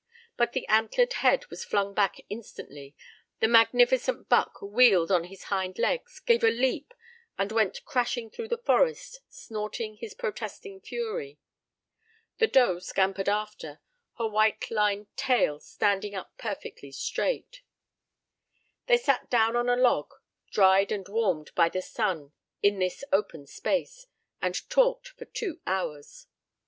But the antlered head was flung back instantly, the magnificent buck wheeled on his hind legs, gave a leap and went crashing through the forest snorting his protesting fury. The doe scampered after, her white lined tail standing up perfectly straight. They sat down on a log, dried and warmed by the sun in this open space, and talked for two hours.